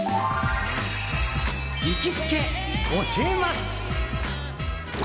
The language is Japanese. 行きつけ教えます！